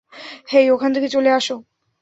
হেই, ওখান থেকে চলে আসো।